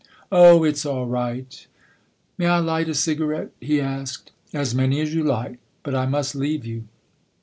" Oh, it's all right ! May I light a cigarette ?" he asked. " As many as you like. But I must leave you."